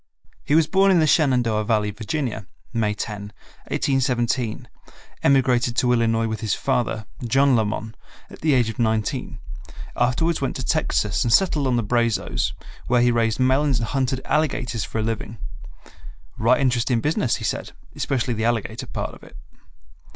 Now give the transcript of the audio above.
He was born in the Shenandoah Valley, Virginia, May 10, 1817, emigrated to Illinois with his father, John Lamon, at the age of nineteen; afterwards went to Texas and settled on the Brazos, where he raised melons and hunted alligators for a living. "Right interestin' business," he said; "especially the alligator part of it."